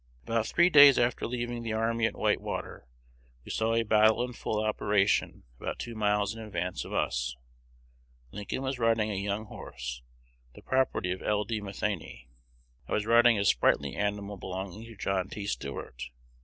"About three days after leaving the army at Whitewater, we saw a battle in full operation about two miles in advance of us. Lincoln was riding a young horse, the property of L. D. Matheny. I was riding a sprightly animal belonging to John T. Stuart.